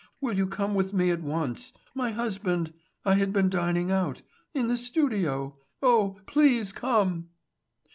Will you come with me at once.... My husband.... I had been dining out. In the studio.... Oh, please come!"